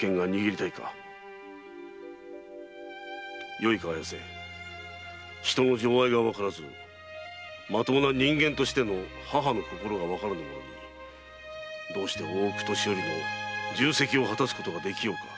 よいか綾瀬人の情愛がわからずまともな人間としての母の心がわからぬ者にどうして大奥年寄の重責を果たすことができようか。